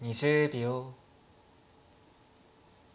２０秒。